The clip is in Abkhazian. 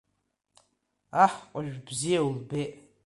Аҳкәажә бзиа улбеит.